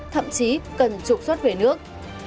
thậm chí cần trục xuất về nước